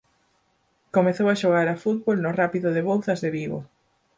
Comezou a xogar a fútbol no Rápido de Bouzas de Vigo.